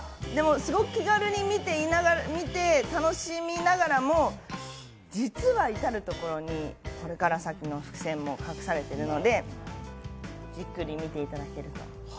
すごく気軽に見て、楽しみながらも、実はいたるところに、これから先の伏線もあるので、じっくり見ていただけると。